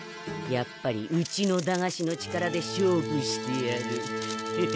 やっぱりうちの駄菓子の力で勝負してやる。